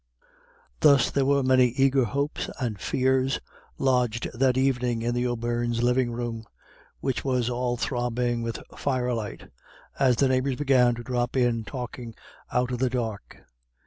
Thus there were many eager hopes and fears lodged that evening in the O'Beirnes' living room, which was all throbbing with fire light, as the neighbours began to drop in talking out of the dark.